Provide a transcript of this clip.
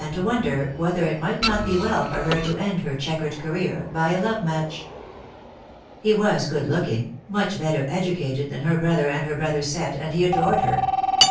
2 2 0, to wonder whether it might not be well for her to end her chequered career by a love match. He was good looking, much better educated than her brother and her brother's set, and he adored her.